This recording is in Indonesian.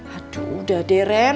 aduh udah deh renk